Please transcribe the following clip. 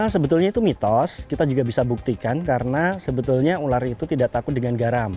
sebetulnya itu mitos kita juga bisa buktikan karena sebetulnya ular itu tidak takut dengan garam